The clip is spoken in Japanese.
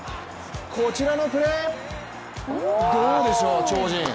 こちらのプレー、どうでしょう超人。